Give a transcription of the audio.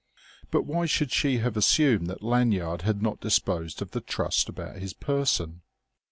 But why should she have assumed that Lanyard had not disposed of the trust about his person?